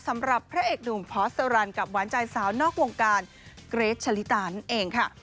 สำหรับพระเอกหนุ่มพอสอรันกับหวานใจสาวนอกวงการเกรทชะลิตานั่นเองค่ะ